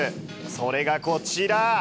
それがこちら。